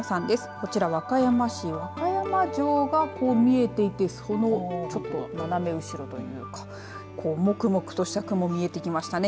こちらは和歌山市、和歌山城が見えていてその斜め後ろというかもくもくとした雲見えてきましたね。